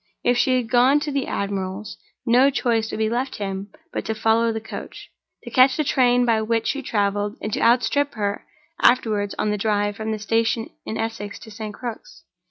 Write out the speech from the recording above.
If she had gone to the admiral's, no choice would be left him but to follow the coach, to catch the train by which she traveled, and to outstrip her afterward on the drive from the station in Essex to St. Crux.